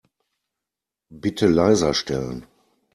Bitte leiser stellen.